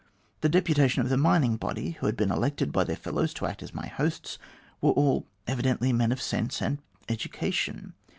The deputation of the mining body, who had been elected by their fellows to act as my hosts, were all evidently men of sense and education.